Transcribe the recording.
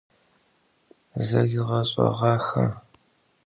Zeriğeş'eğaxe.